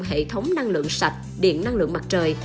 hệ thống năng lượng sạch điện năng lượng mặt trời